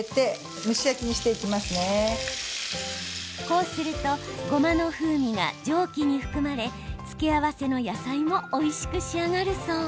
こうするとごまの風味が蒸気に含まれ付け合わせの野菜もおいしく仕上がるそう。